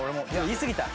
言いすぎた。